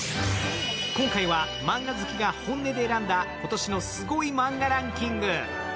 今回はマンガ好きが本音で選んだ今年のすごいマンガランキング。